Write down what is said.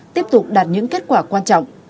tiếp tục đạt những kết quả quan trọng